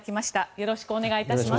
よろしくお願いします。